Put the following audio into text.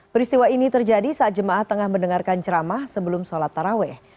peristiwa ini terjadi saat jemaah tengah mendengarkan ceramah sebelum sholat taraweh